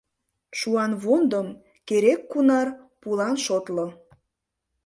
Шуанвондым керек-кунар пулан шотло